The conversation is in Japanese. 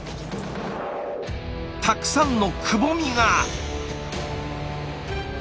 たくさんのくぼみが！